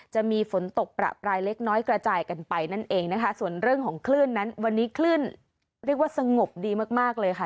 จะมีฝนตกประปรายเล็กน้อยกระจายกันไปนั่นเองนะคะส่วนเรื่องของคลื่นนั้นวันนี้คลื่นเรียกว่าสงบดีมากมากเลยค่ะ